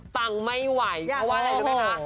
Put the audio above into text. ฟังไม่ไหวเพราะว่าอะไรรู้ไหมคะ